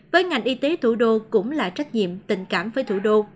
với ngành y tế thủ đô cũng là trách nhiệm tình cảm với thủ đô